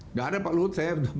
nggak ada pak lut